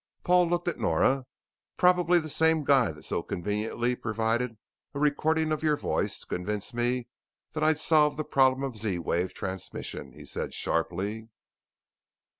Paul looked at Nora. "Probably the same guy that so conveniently provided a recording of your voice to convince me that I'd solved the problem of Z wave transmission," he said sharply.